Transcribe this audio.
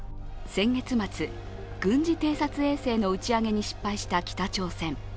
先月末、軍事偵察衛星の打ち上げに失敗した北朝鮮。